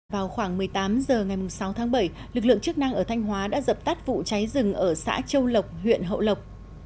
vào khoảng một mươi tám h ngày sáu tháng bảy lực lượng chức năng ở thanh hóa đã dập tắt vụ cháy rừng ở xã châu lộc huyện hậu lộc